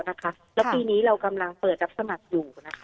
แล้วปีนี้เรากำลังเปิดรับสมัครอยู่นะคะ